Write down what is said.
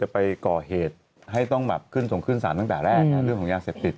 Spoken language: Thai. ไปก่อเหตุให้ต้องแบบขึ้นส่งขึ้นสารตั้งแต่แรกเรื่องของยาเสพติด